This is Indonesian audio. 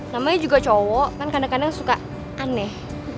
namanya juga cowok kan kadang kadang suka aneh